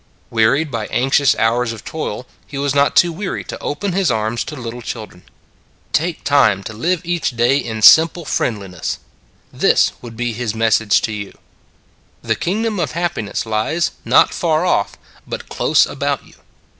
Wearied by anxious hours of toil, He was not too weary to open his arms to little children. " Take time to live each day in simple friendliness " this would be His message to you. " The Kingdom of Happiness lies, not far off, but close about you."